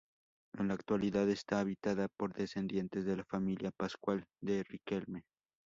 En la actualidad está habitada por descendientes de la familia Pascual de Riquelme.